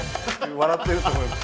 笑っていると思います。